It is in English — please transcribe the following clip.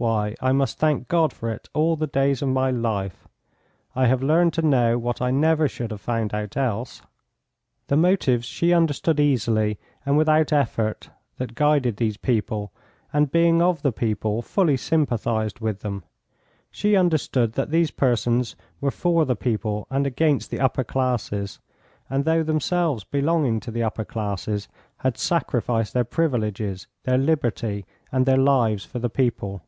"Why, I must thank God for it all the days of my life. I have learned to know what I never should have found out else." The motives she understood easily and without effort that guided these people, and, being of the people, fully sympathised with them. She understood that these persons were for the people and against the upper classes, and though themselves belonging to the upper classes had sacrificed their privileges, their liberty and their lives for the people.